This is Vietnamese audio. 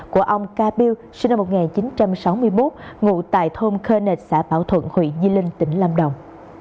của ông ca biu sinh năm một nghìn chín trăm sáu mươi một ngụ tại thôn cơ nệt xã bảo thuận huyện di linh tỉnh lam đồng